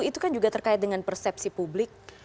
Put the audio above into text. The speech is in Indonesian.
itu kan juga terkait dengan persepsi publik